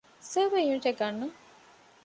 ސަރވަރ ޔުނިޓެއް ގަންނަން